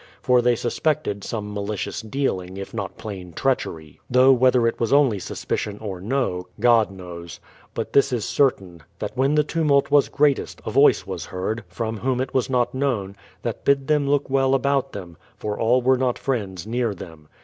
For they suspected some malicious dealing, if not plain treachery; though whether it was only suspicion or no, God knows. But this is certain, that when the tumult was greatest, a voice was heard — from whom it was not known — that bid them look well about them, for all were not friends near them.